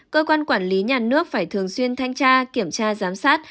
cơ quan quản lý nhà nước phải thường xuyên thanh tra kiểm tra giám sát